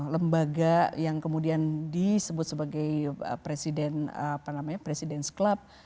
lembaga yang kemudian disebut sebagai presiden club